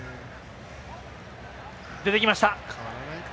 出てきました。